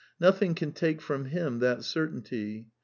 Nothing can take from him that cer tainty.